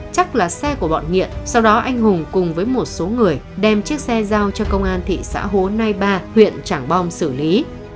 chắc là xe của bọn nghiện sau đó anh hùng cùng với một số người đem chiếc xe giao cho công an thị xã hồ nai ba huyện trảng bom xử lý